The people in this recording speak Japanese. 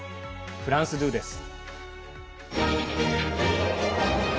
フランス２です。